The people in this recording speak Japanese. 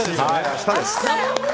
明日です！